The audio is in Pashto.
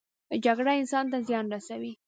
جګړه انسان ته زیان رسوي